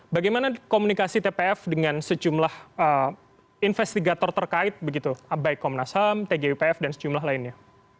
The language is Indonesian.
bagaimana komunikasi tpf dengan sejumlah investigator terkait begitu baik komnas ham tgipf dan sejumlah lainnya